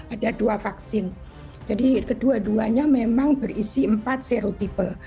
ada dua vaksin jadi kedua duanya memang berisi empat seru tipe